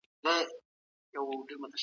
په دې هيله چي زموږ علمدوسته خلګ له کتابتو او